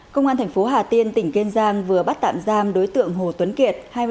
công an thành phố hà tiên tỉnh kên giang vừa bắt tạm giam đối tượng hồ tuấn kiệt hai mươi năm tuổi